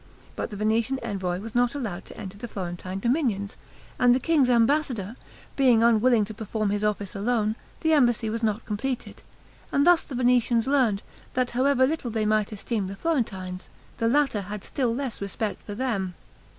But the Venetian envoy was not allowed to enter the Florentine dominions, and the king's ambassador, being unwilling to perform his office alone, the embassy was not completed; and thus the Venetians learned, that however little they might esteem the Florentines, the latter had still less respect for them.